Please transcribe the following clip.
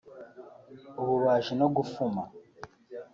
ububaji no gufuma